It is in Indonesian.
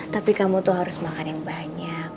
tapi kamu tuh harus makan yang banyak